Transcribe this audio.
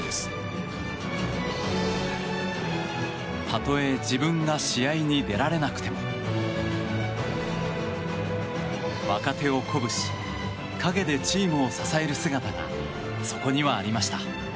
たとえ自分が試合に出られなくても若手を鼓舞し陰でチームを支える姿がそこにはありました。